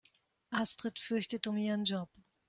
Astrid fürchtet um ihren Job.